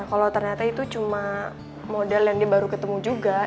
kalau ternyata itu cuma model yang dia baru ketemu juga